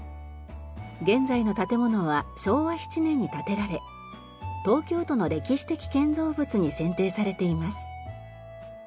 現在の建物は昭和７年に建てられ東京都の歴史的建造物に選定されています。